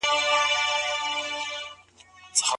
الله تعالی خاوندان په څه شي مامور کړي دي؟